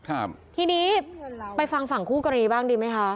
ก็กลายเป็นว่าติดต่อพี่น้องคู่นี้ไม่ได้เลยค่ะ